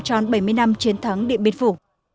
trong bảy mươi năm chiến thắng điện biên phủ